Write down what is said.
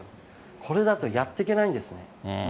これだとやっていけないですね。